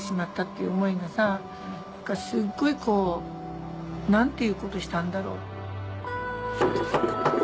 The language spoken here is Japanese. こう何ていうことしたんだろう。